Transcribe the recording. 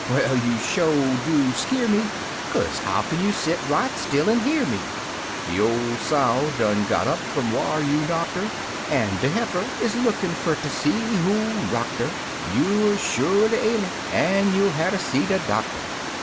Well, you sho do skeer Kaze how kin you set right still an' hear me ? De ol' sow done got up fum whar you knocked 'er. An' de heifer is lookin' fer ter see who rocked 'er; You er sholy ailin', an' you'll hatter see de doctor